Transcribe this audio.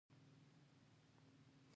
دوی غوښتل چې ما ونیسي.